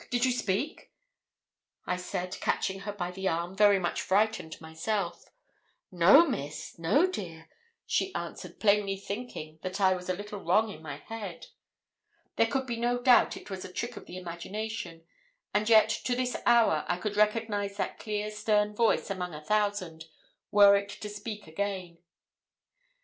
Did you speak?' I said, catching her by the arm, very much frightened myself. 'No, Miss; no, dear!' answered she, plainly thinking that I was a little wrong in my head. There could be no doubt it was a trick of the imagination, and yet to this hour I could recognise that clear stern voice among a thousand, were it to speak again.